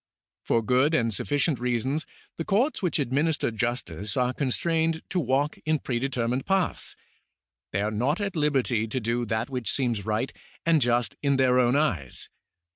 For good and sufficient reasons the courts which administer justice are constrained to walk in predetermined paths. They are not at liberty to do that which seems right and just in their own eyes.